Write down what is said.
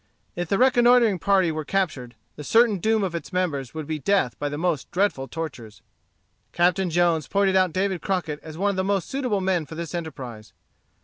If the reconnoitring party were captured, the certain doom of its members would be death by the most dreadful tortures. Captain Jones pointed out David Crockett as one of the most suitable men for this enterprise.